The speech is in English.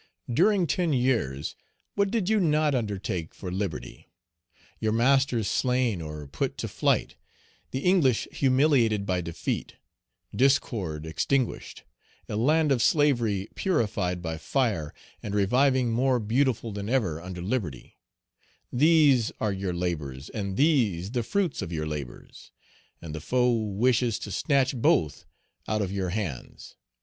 During ten Page 185 years, what did you not undertake for liberty? Your masters slain or put to flight; the English humiliated by defeat; discord extinguished; a land of slavery purified by fire, and reviving more beautiful than ever under liberty; these are your labors, and these the fruits of your labors; and the foe wishes to snatch both out of your hands.